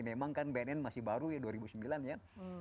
memang kan bnn masih baru ya dua ribu sembilan ya